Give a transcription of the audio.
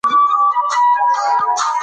بله برخه یې مفهومي او برداشتي ده.